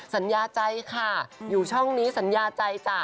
สัญญาใจค่ะอยู่ช่องนี้สัญญาใจจ้ะ